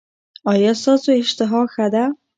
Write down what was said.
ایا ستاسو اشتها ښه ده؟